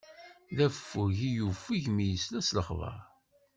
D affug i yuffeg mi yesla s lexbaṛ.